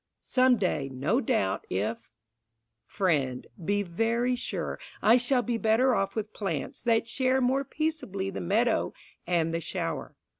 Some day, no doubt, if ... Friend, be very sure I shall be better off with plants that share More peaceably the meadow and the shower.